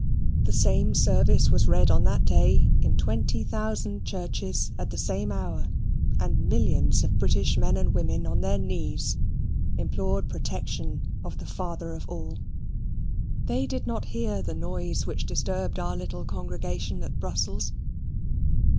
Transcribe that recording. The same service was read on that day in twenty thousand churches at the same hour; and millions of British men and women, on their knees, implored protection of the Father of all. They did not hear the noise which disturbed our little congregation at Brussels.